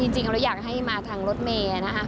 จริงแล้วอยากให้มาทางรถเมย์นะคะ